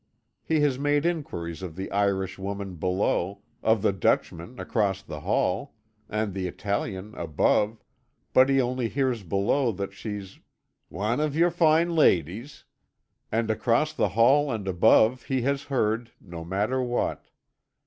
He has made inquiries of the Irish woman below, of the Dutchman across the hall, and the Italian above, but he only hears below that she's "wan av yer foine ladies," and across the hall and above he has heard no matter what.